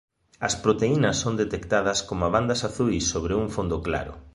As proteínas son detectadas como bandas azuis sobre un fondo claro.